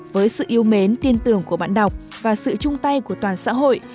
với sự yêu mến tin tưởng của bạn đọc và sự chung tay của toàn xã hội